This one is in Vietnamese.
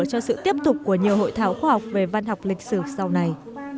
cho sự tiếp tục của nhiều hội thảo khoa học về văn học lịch sử sau này